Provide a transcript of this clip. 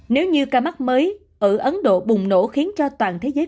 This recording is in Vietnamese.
nếu như ca mắc mới ở ấn độ bùng nổ khiến cho toàn thế giới